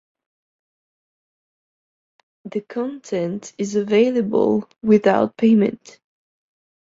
The content is available without payment.